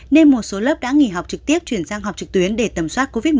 nên một số lớp đã nghỉ học trực tiếp chuyển sang học trực tuyến để tầm soát covid một mươi